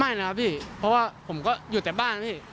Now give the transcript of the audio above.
ไม่นะครับพี่เพราะว่าผมก็อยู่แต่บ้านพี่